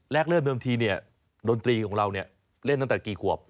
เริ่มเดิมทีเนี่ยดนตรีของเราเนี่ยเล่นตั้งแต่กี่ขวบ